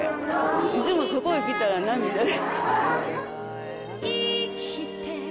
いつもそこにきたら涙で。